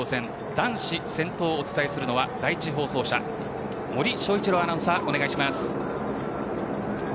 男子先頭をお伝えするのは第１放送車森昭一郎アナウンサーです。